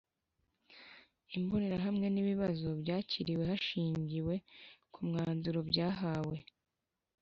Imbonerahamwe N Ibibazo byakiriwe hashingiwe ku mwanzuro byahawe